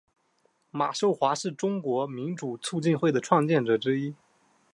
马寿华是中国民主促进会的创建者之一。